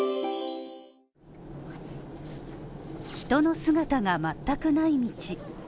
人の姿が全くない道。